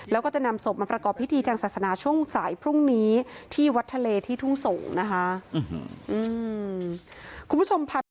แล้วก็จะนำศพมาประกอบพิธีทางศาสนาช่วงสายพรุ่งนี้ที่วัดทะเลที่ทุ่งสงศ์นะคะ